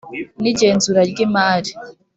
n igenzura ry imari